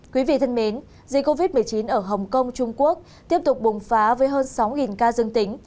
quý vị thân mến dịch covid một mươi chín ở hồng kông trung quốc tiếp tục bùng phá với hơn sáu ca dương tính